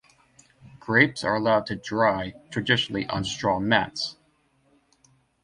Grapes are allowed to dry, traditionally on straw mats.